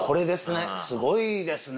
すごいですね。